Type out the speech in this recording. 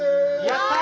やった！